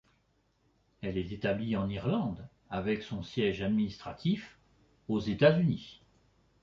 Elle est établie en Irlande, avec son siège administratif aux États-Unis.